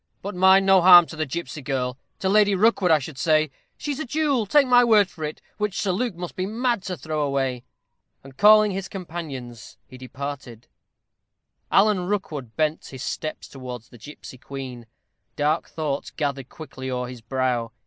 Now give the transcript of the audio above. But mind, no harm to the gipsy girl to Lady Rookwood, I should say. She's a jewel, take my word for it, which Sir Luke must be mad to throw away." And calling his companions, he departed. Alan Rookwood bent his steps towards the gipsy queen. Dark thoughts gathered quickly o'er his brow.